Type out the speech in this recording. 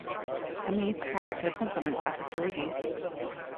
Hameed's character complements that of Faridi's.